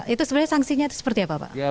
itu sebenarnya sanksinya itu seperti apa pak